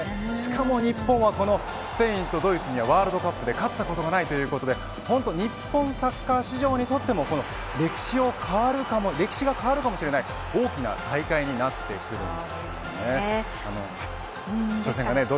しかも日本はこのスペインとドイツにはワールドカップで勝ったことがないということで日本サッカー史上にとっても歴史が変わるかもしれない大きな大会になってきそうなんです。